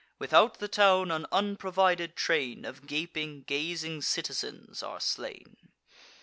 Without the town, an unprovided train Of gaping, gazing citizens are slain.